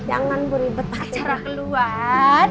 jangan beribet acara keluar